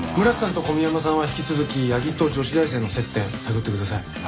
村瀬さんと小宮山さんは引き続き八木と女子大生の接点探ってください。